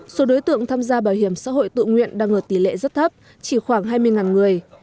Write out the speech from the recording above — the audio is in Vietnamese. số đối tượng tham gia bảo hiểm xã hội tự nguyện đang ở tỷ lệ rất thấp chỉ khoảng hai mươi người